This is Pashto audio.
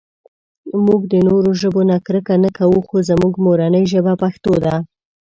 مونږ د نورو ژبو نه کرکه نهٔ کوؤ خو زمونږ مورنۍ ژبه پښتو ده